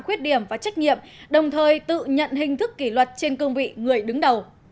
khuyết điểm và trách nhiệm đồng thời tự nhận hình thức kỷ luật trên cương vị người đứng đầu